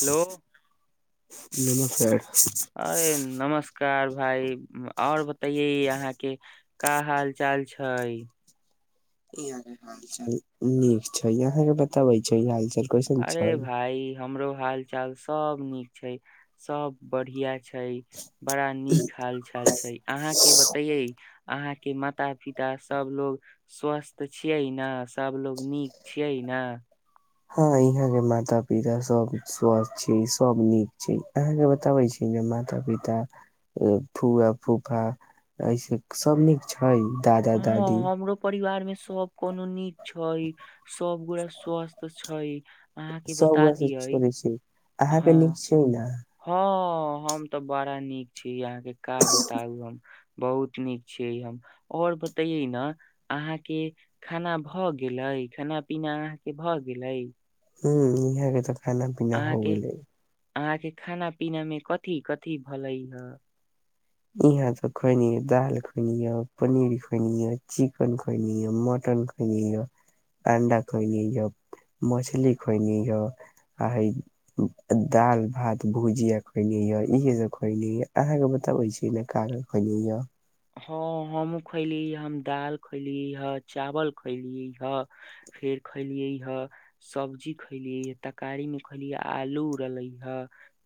hello नमस्कार अरे नमस्कार भाय आऔर बतैे अहाँ के का हाल चाल छै यहाँ के हाल चाल नीक छै यहाँ के बताबे छै हाल चाल अरे भाइ हमरो हाल चाल सब नीक छै सब बढ़िया छै बड़ा नीक हाल चाल छै अहाँ के बताए अहाँ के माता पिता सब लोग स्वस्थ छियै ने सबलोग नीक छियै ने हँ यहाँ के माता पिता सब स्वस्थ छै सब नीक छै अहाँ के बताबे छी माता पिता फुआ फूफा ऐसे सब नीक हई दादा हँ दादी हमरो परिवार में सब कोनो नीक छै सब गोटा स्वस्थ छै अहाँके सब बता गोटा से दियै छोड़ै छै अहाँके हँ नीक छै ने हँ हम तऽ बड़ा नीक छी अहाँके का बताउ हम बहुत नीक छीे हम और बतेये ने अहा के खाना भऽ गेलए खाना पीना अहाँ के भऽ गेलै हू इहे तऽ खाना पीना हो अहाँके गेलै अहाँके खाना पीना मे कथि कथि भले हन यहाँ तऽ खैनी दाल खइनी ह पनीर खइनी ह चिकन खइनी ह मटन मटन खइली ह अंडा खइली ह मछली खइनि ह आ दाल भात भुजिया खइली य इहे सब खइली ह अहाँके बताबै छीै ने का हँ हमहुँ खैली हम दाल खैली हे चावल खैली हे फेर फेर खैलियै हे सब्जी खैलियै हे तरकारी में खैलिय आलू रहलै हे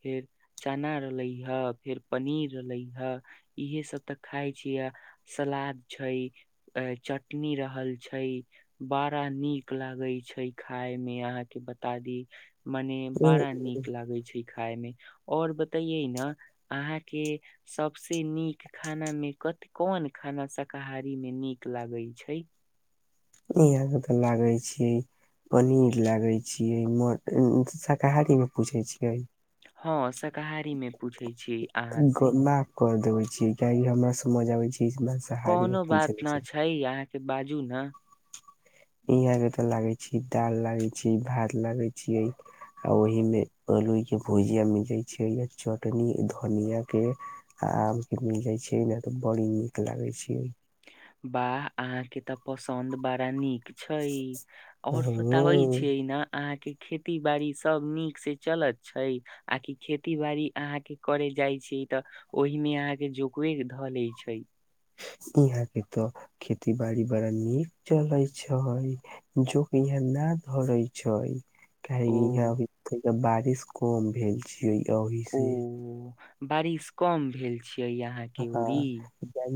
फेर चना रहले ह फेर पनीर रहलै ह इहे सब तऽ खााय छियै सलाद छै चटनी रहल छै बारह नीक लागै छै खाय मे अहाँके बता दी मने बड़ा नीक लागे छै खाय मे और बतइए ने अहाँ के सब से नीक खानामे कथि कोन खाना शाकाहारीमे नीक लागैत छै इहाँ के तऽ लागे छी पनीर लागे छियै मटन शाकाहारी मे पूछै छियै हँ शाकाहारी मे पूछै छी अहाँ से छी कि हमरा सब मजाबे छै मांसाहारी मे कोनो बात पूछे न छै अहाँके बाजू ने यहा के तऽ लागे छै दाल लागे छै भात लागे छी आ ओहि मे कुछो के भुजिया मिल जाय छै य चटनी धनिया के आम के मिलै छै तऽ बड़ी नीक लागै छियै वाह अहाँ के तऽ पसन्द बड़ा नीक छै आओर बताबै छियै ने अहाँ के खेती बाड़ी सब नीक से चलत छै आ कि खेती बाारी अहा के करे जाय छी तऽ ओहिमे अहाँके जोकवे धऽ ले छै यहाँ के तो खेती बाड़ी बड़ा नीक चलय छै जोकि यहाँ ना धरै छै ओ यहाँ बारिश कम भेल छै ओ ओहिसँ बारिश कम भेल छियै अहाँके ओड़ी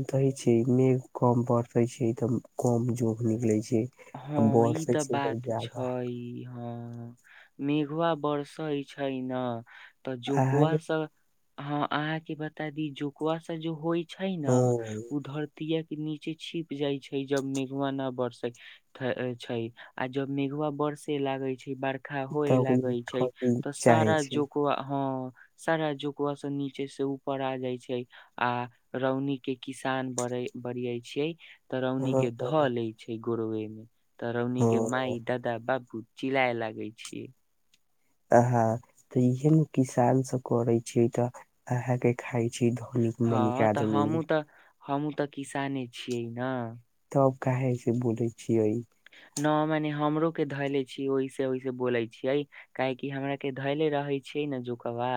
दै छै मेघ कम बरसै छै तऽ कम जोक निकले छै आ हँ ई बरसे तऽ छै बात जादा छै हँ मेघवा बरसै छै ने तऽ अहाँ जोकुआ के सब हँ अहाँके बता दी जोकुआ सब जो होइ छै ने उ धरतीया नीचे छिप जाइ छै जब मेघवा ना बरसै छै आ जब मेघवा बड़से लागै छै बर्खा होए तऽ ठंडी लागै छै तऽ चाहे सारा छै जोकवा हँ सारा जोकवा से नीचे से ऊपर आ जाय छै आ रौनी के किसान बड़ बढ़िय छियै तरौनी हँ के धऽ ले छै गोरवे मे तरौनी के हँ माय दादा बाबू चिलाइ लागै छिय हँ तऽ इहे ने किसान सब करे छी तऽ अहाँके खाय छै धनिक मणिक हँ तऽ आदमी हमूँ तऽ हमूँ तऽ किसाने छियै ने सब कहे से बोलइ छीय न मने हमरो के धैले छी वऐसे वैसे बोले छीये काहे कि हमरा के धैले रहे छी छै ने जोकबा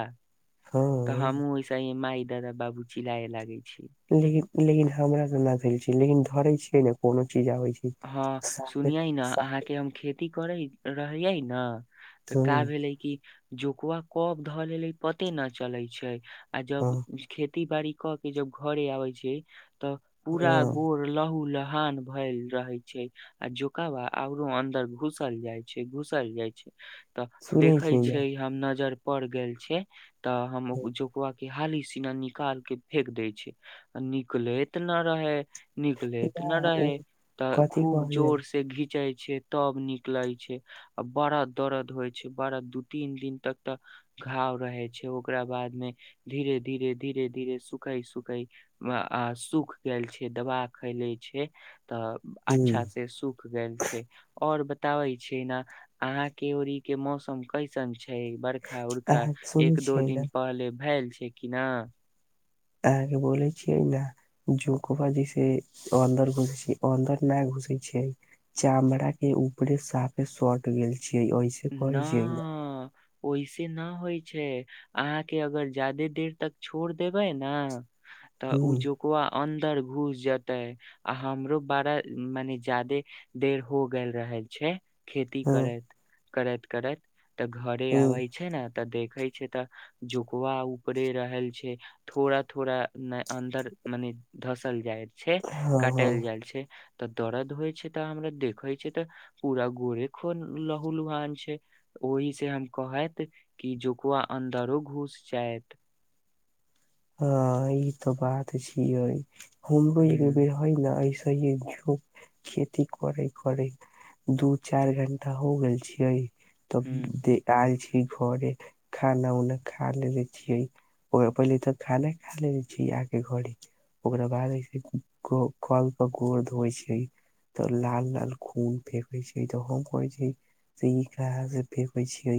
तऽ हँ हमूँ ओस मााय दादा बाबू चिलय लागे छी लेकिन लेकिन हमरा तऽ न भेल छी लेकिन धरे छियै ने कोनो चीज आबै छै हँ साफे सुनियै ने साफ अहाँके हम खेती करै रहैयै ने तऽ ह का भेलै कि जोकुआ कब धऽ लेले पते न चले छै आ जब ह खेत खेती बाड़ी क के जब घरे आबे छै तऽ पूरा ह गोर लहु लहान भल रहे छै आ जोकवा औरो अन्दर घुसल जाय छै घुसल जाय छै तऽ सुनै देखै छियै ने छै हम नजर पड़ गेल छ तऽ हम जुक के हाली सिना निकाल के फेेक दै छै आ निकलैत न रहे निकलैत या ना ओ रहै तऽ कथी खूब कहले जोर से घी जाइ छै तब निक लागै छै आ बड़ा दरद होइ छै बड़ा दू तीन दिन तक तऽ घाव रहै छै ओकरा बादमे धीरे धीरे धीरे धीरे सुखै सुखै आ सूख गेल छै दवा खैलै छै तऽ हुं अच्छा से सूख गेल छै आओर बताबे छै ने अहाँ के ओड़ी के मौसम कैसन छै छै बरखा उरखा अहाँके सुनै एक दो छियै ने दिन पहले भेल छै किना अहांके बोलय छिय ना जोक बाजी से अन्दर घुसे छी अन्दर नहि घ घुसे छय चामड़ा के ऊपरे साफे सट गेल जे ओहिसँ न कोरय जे ने ओहिसे न होइ छै अहाँके अगर ज्यादे देर तक छोड़ देबै ना तऽ ओ हुं जोकवा अन दर घुस जेते आ हमरो बाड़ा मने ज्यादे देर हो ग रहल छै खेती हुं करैत करैत करैत तऽ घरे हुं आबैय छै ना तऽ देखे छै तऽ जुकवा ऊपरे रहल छै थोड़ा थोड़ा ने अन्दर मने धसल जाइ छै हँ हँ काटल जाइ छै त दरद होइ छै त हमरा देखइ छै तऽ पूरा गोड़े खुन लऽ हुलुहान छै ओहि से हम कहैत कि जोकुआ अन्दरो घुस जायत [inaudible] हँ ई तऽ बात छिय हमरो ह एक बेर हइ न अइस हियइ झू खेती करय करय [unintelligible] दू चार घंटा हो गेल छियै तब ह दे आल छी घरे खाना उना खा लेने छियै ओ पहिले तऽ खाले खाली छी आगे घड़ी ओकरा बादसे कल पर गोड़ धोइ छै तऽ लाल लाल खुन फेकय छै त हम कोहय छै से ई कहां से फेकै छै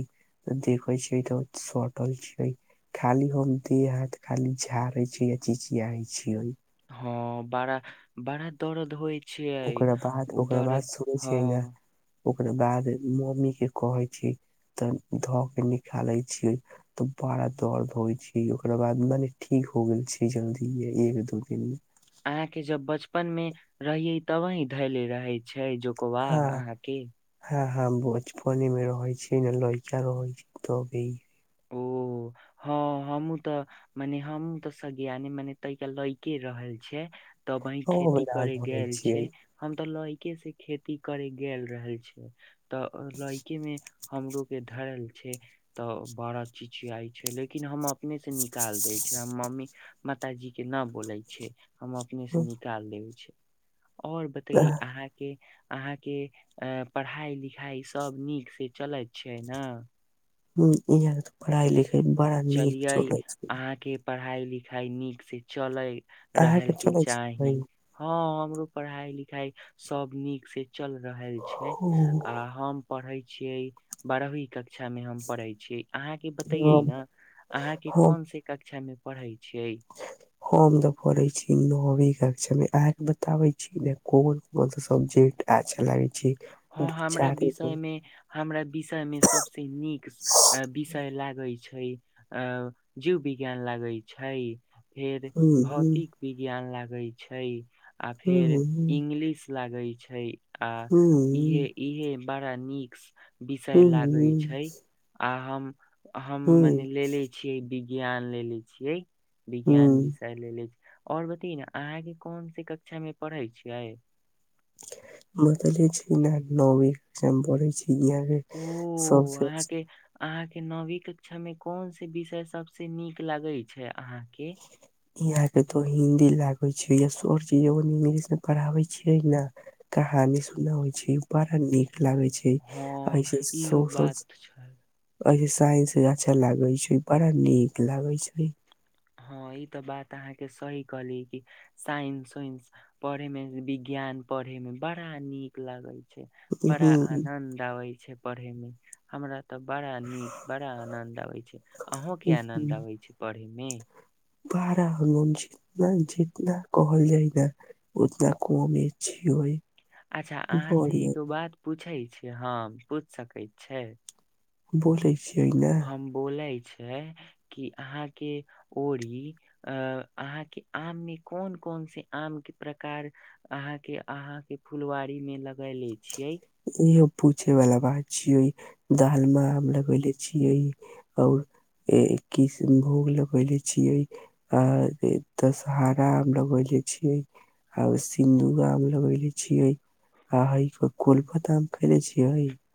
देखै छिय तऽ सटल छै खाली हम देह अहां‌ के खाली झारे छीयइ आ चिचियाई छिये हँ बड़ा बड़ा दरद होइ छियै ओकरा बाद ओ ओकरा बाद दर्द सुनै छियै ना हँ ओकरा बाद मम्मी के कहे छिये तऽ धऽ के निकाले छियै तऽ बाड़ा दर्द होइ छै ओकरा बाद मने ठीक हो गेल छै जल्दी एक दू दिन मे अहाँके जब बचपन मे रहियै तबहिं धैले रहै छै जोकबा अहाँके ह बचपने मे रहै छै ने लयका रहै छै तभी ओ हँ हमहूँ तऽ मने हमहूँ तऽ सगिआने मने तहिके लैके रहल छियै तबहिं सब खेती याद करय रहे गेल छियै छै हम तऽ लयके से खेती करय गेल रहय छै तऽ लइके मे हमरो के धरल छै तऽ बड़ा चिचियाइ छै लेकिन हम अपने से निकाल दै छै हम मम्मी माताजी के न बोलै छै हम अपने से निकाल देब छी आओर बतइए अहाँके अहाँके अ पढ़ाइ लिखाइ सभ नीक से चलैत छै ने ह इहां तऽ पढ़ाई लिखाई बड़ा नीक चलियै चलय छै अहाँके पढ़ाई लिखाई नीक से चलय अहाँ रहल के चले छै चाही हँ हमरो पढ़ाई लिखाई सब नीक से चल रहल छै आ हम पढ़े छियै बारहवीं कक्षा मे हम पढ़े छियै अहाँ के बतइये न अहांके हम कोन से कक्षा में पढ़ैत हम तऽ पढय छी नवीं कक्षा में अहां के बताबे छी ने कोन कोन सबजेक्ट अच्छा लागे छै हँ दू हमरा चार गो विषय मे हमरा विषय मे सभसे नीक अ विषय लागै छै अ जीव विज्ञान लागै छै फेर हम्म भौतिक विज्ञान लागै छै आ फेर हम्म इंग्लिश लागे छै आ इहे हम्म इहे बड़ा नीक विषय लागै हम्म छै आ हम हम मने हम्म लेेले छियै वि ज्ञान लेेले छियै विज्ञान हम्म विषय लेले छियै और बतैयै न अहाँके कोनसे कक्षा मे पढ़े छियै बतैले छी न अहाँ के नवीं कक्षा में पढ़ै छी दुनिया के सबसे अच्छा अहां के नवीं कक्षा में कोन से विषय सबसे नीक लागे छै अहां के ईहाँ के तो हिन्दी लागे छै या सरजी जे इंगलिश मे पढ़ाबे छियै न कहानी सुनावै छै बड़ा नीक लागै छै हँ अइसे इहो सोसल बात छै स साइंस अच्छा लागे छै बड़ा नीक लागे छै हँ ई त बात अहाँके सही कहली कि साइंस उइंस पढ़े मे विज्ञान पढ़े में बड़ा नीक लागै छै बड़ा उहूं आनद आबै छै पढ़े में हमरा तऽ बड़ा नीक बड़ा आनंद आबै छै अहों के उहूं आनंद आबै छै पढ़े मे बड़ा आनंद छै मालूम छै जितना कहल जाइ न उतना कमे छियै अच्छा अहाँ से एगो बात पूछै छियै हम पूछि सकैत छै बोली हम बोलै छियै कि अहाँके ओरी अहाँके आम मे कोन कोन से आम के प्रकार अहां के अहां के फुलवारी में लगैले इहो पुछे वला बात छियै दालमा आम लगैले छियै और ए किष्णभोग लगैले छियै आ दशहरा आम लगैले छियै आ सिन्दूर आम लगैले छियै आ ह‌इ कोलपत आम खैले छियै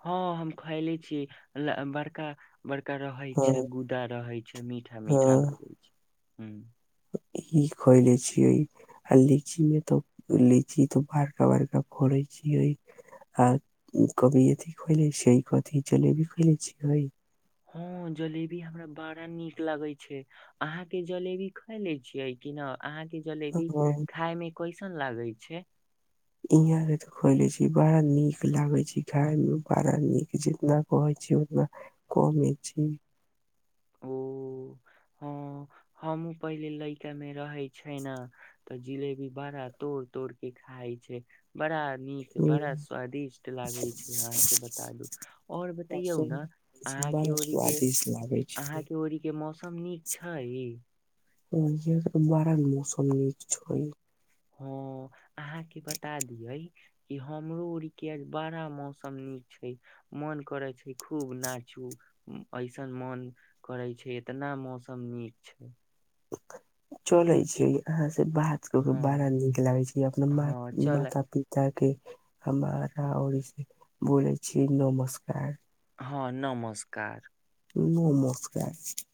हँ हम खयले छियै ल बड़का बड़का रहै छै हाँ गुदा रहै छै मीठा मीठा लागै छै ह्म ई खयले छियै आ लीची मे त लीची त बड़का बड़का फरै छियै आ कभी एथी खइले छियै कथी जलेबी खैले छियै हँ जलेबी हमरा बड़ा नीक लागै छै अहां के जलेबी खाय लै छियै कि न अहाँके जलेबी और खाय में कैसन लागै छै इहां के त खैले छी बड़ा नीक लागे छै खाय मे बड़ा नीक जितना कहै छी ओतना कमे छै [inaudible] ओ हँ हमहूँ पहिले लइकामे रहै छै न तऽ जिलेबी बड़ा तोड़ तोड़ के खाय छै बड़ा नीक बड़ा स्वादिष्ट लागै छै अहां से बतादु और बतैयौ न अहाँ अहांके बड़ा ओरी के स्वादिष्ट लागे छै अहांके ओरी के मौसम नीक छै ह इहांके त बड़ा मौसम नीक छै हँ अहां के बता दियै कि हमरो ओर के आज बड़ा मौसम नीक छै मो मन करै छै खूब नाचू ऐसन मोन करै छै एतना मौसम नीक छै चलै छियै अहांसे से बात कऽ के बड़ा हँ नीक लागे छै अपना हँ चल माता पिता के हमरा ओर से बोलय छी नमस्कार हँ नमस्कार नमोस्कार